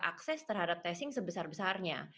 akses terhadap testing sebesar besarnya